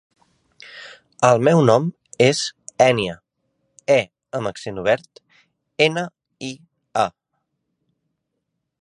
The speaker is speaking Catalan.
El meu nom és Ènia: e amb accent obert, ena, i, a.